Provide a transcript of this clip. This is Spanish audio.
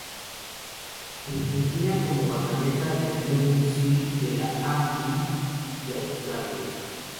Se desempeña como guardameta en el Melbourne City de la A-League de Australia.